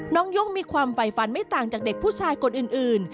น้องยุ่งมีความไฟฟันไม่ต่างจากเด็กผู้ชายคนอื่น